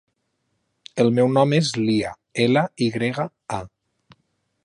El meu nom és Lya: ela, i grega, a.